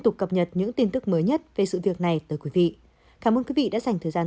tục cập nhật những tin tức mới nhất về sự việc này tới quý vị cảm ơn quý vị đã dành thời gian